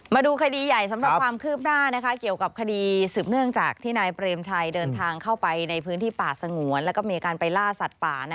มาดูคดีใหญ่สำหรับความคืบหน้าเกี่ยวกับคดีสืบเนื่องจากที่นายเปรมชัยเดินทางเข้าไปในพื้นที่ป่าสงวนแล้วก็มีการไปล่าสัตว์ป่า